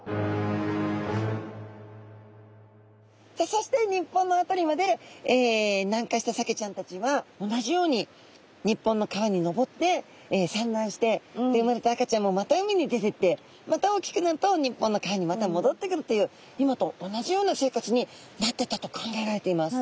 そして日本の辺りまで南下したサケちゃんたちは同じように日本の川に上ってさんらんして生まれた赤ちゃんもまた海に出ていってまた大きくなると日本の川にまたもどってくるという今と同じような生活になっていったと考えられています。